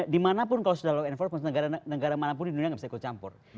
dimanapun kalau sudah law enforcement negara manapun di dunia nggak bisa ikut campur